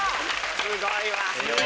すごいわ！